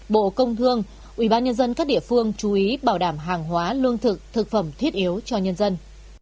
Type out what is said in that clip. một mươi hai bộ công thương ubnd các địa phương chú ý bảo đảm hàng hóa lương thực thực phẩm thiết yếu cho nhân dân